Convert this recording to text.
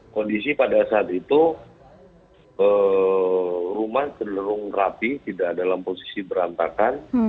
kondisi pada saat itu rumah cenderung rapi tidak dalam posisi berantakan